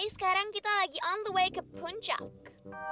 sekarang kita lagi on the way ke puncak